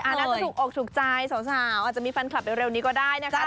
น่าจะถูกอกถูกใจสาวอาจจะมีแฟนคลับเร็วนี้ก็ได้นะคะ